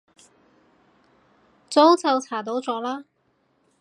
早就查到咗啦